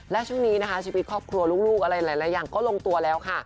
และช่วงนี้นะคะชีวิตครอบครัวลูกอะไรหลายอย่างก็ลงตัวแล้วค่ะ